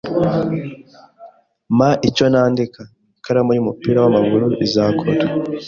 "Mpa icyo nandika." "Ikaramu y'umupira w'amaguru izakora?"